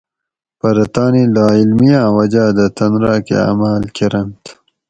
پرہ تانی لاعلمیاں وجاۤ دہ تن راۤکہ عماۤل کۤرنت